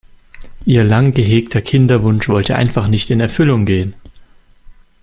Ihr lang gehegter Kinderwunsch wollte einfach nicht in Erfüllung gehen.